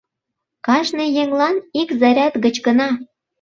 — Кажне еҥлан ик заряд гыч гына!